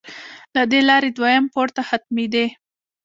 له دې لارې دویم پوړ ته ختمېدې.